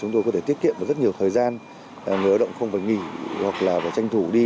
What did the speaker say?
chúng tôi có thể tiết kiệm được rất nhiều thời gian người lao động không phải nghỉ hoặc là phải tranh thủ đi